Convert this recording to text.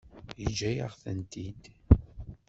Yeǧǧa-yaɣ-tent-id.